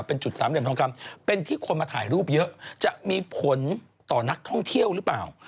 เป็นจุดสามเหลี่ยมทองคำเป็นที่คนมาถ่ายรูปเยอะจะมีผลต่อนักท่องเที่ยวหรือเปล่า